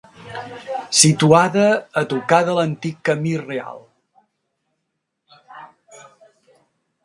Situada a tocar de l’antic Camí Reial.